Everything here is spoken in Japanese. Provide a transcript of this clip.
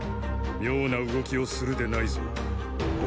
妙な動きをするでないぞ蒲。